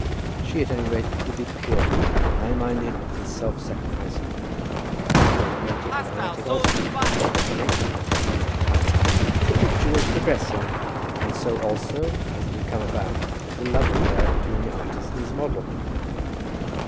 She, at any rate, would be pure, high minded, and self sacrificing, although romantic and poetic also, as was her nature. The picture was progressing, and so also, as it had come about, was the love affair between the artist and his model.